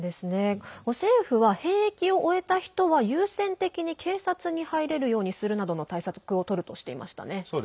政府は兵役を終えた人は優先的に警察に入れるようにするなどの対策をとるとしていましたね。